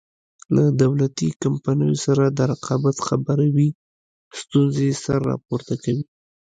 له دولتي کمپنیو سره د رقابت خبره وي ستونزې سر راپورته کوي.